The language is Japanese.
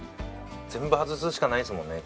全部外すしかないですもんね？